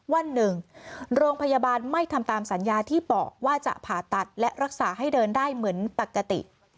วันหนึ่งโรงพยาบาลไม่ทำตามสัญญาที่บอกว่าจะผ่าตัดและรักษาให้เดินได้เหมือนปกติ